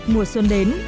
mùa xuân đến